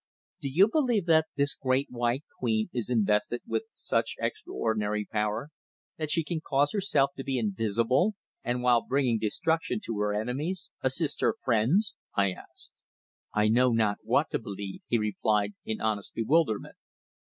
"Do you believe that this Great White Queen is invested with such extraordinary power that she can cause herself to be invisible, and while bringing destruction to her enemies, assist her friends?" I asked. "I know not what to believe," he replied in honest bewilderment.